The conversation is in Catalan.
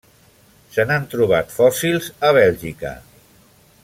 Se n'han trobat fòssils a Bèlgica.